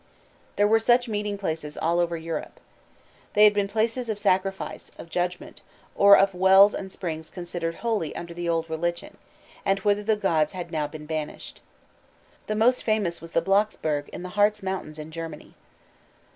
There were such meeting places all over Europe. They had been places of sacrifice, of judgment, or of wells and springs considered holy under the old religion, and whither the gods had now been banished. The most famous was the Blocksberg in the Hartz mountains in Germany.